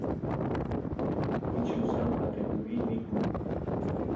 kuchi usanta qetuvi mikun